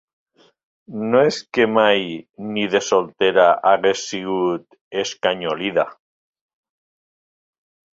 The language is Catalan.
No es que mai, ni de soltera hagués sigut escanyolida;